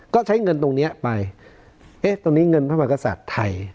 ก็ใช้เงินตรงนี้ไปเอ๊ะตรงนี้เงินพระมหากษัตริย์ไทย